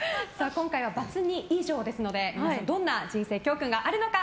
今回はバツ２以上ですのでどんな人生教訓があるのか。